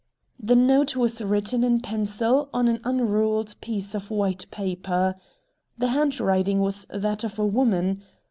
The note was written in pencil on an unruled piece of white paper. The handwriting was that of a woman.